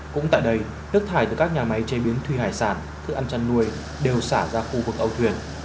cũng tại đây nước thải từ các nhà máy chế biến thủy hải sản thức ăn chăn nuôi đều xả ra khu vực âu thuyền